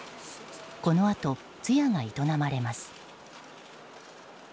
このあと、通夜が営まれます。